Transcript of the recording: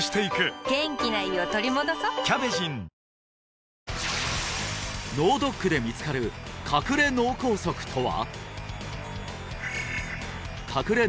はい脳ドックで見つかる隠れ脳梗塞とは？